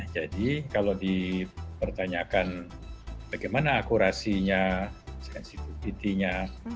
jadi kalau dipertanyakan bagaimana akurasinya sensitivity nya